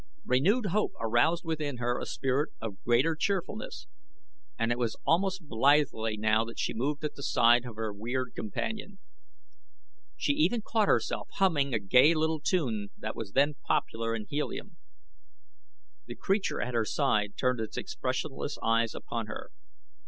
Renewed hope aroused within her a spirit of greater cheerfulness, and it was almost blithely now that she moved at the side of her weird companion. She even caught herself humming a gay little tune that was then popular in Helium. The creature at her side turned its expressionless eyes upon her.